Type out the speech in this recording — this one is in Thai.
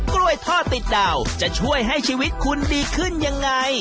กล้วยทอดติดดาวจะช่วยให้ชีวิตคุณดีขึ้นยังไง